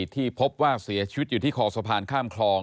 ที่พบว่าเสียชีวิตอยู่ที่คอสะพานข้ามคลอง